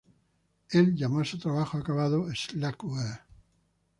Él llamó a su trabajo acabado Slackware.